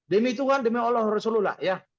demi tuhan demi allah rasulullah ya